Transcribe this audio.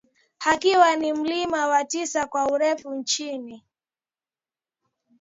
ukiwa ni mlima wa tisa kwa urefu nchini